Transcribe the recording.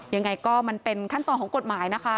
ยังไงก็มันเป็นขั้นตอนของกฎหมายนะคะ